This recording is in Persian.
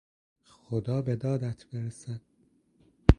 خدا به دادت برسد!